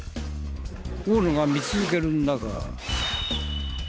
大野が見続ける中。